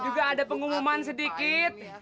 juga ada pengumuman sedikit